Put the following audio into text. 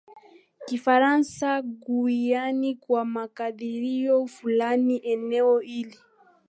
Kifaransa Guiana Kwa makadirio fulani eneo hili